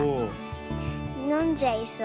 のんじゃいそう。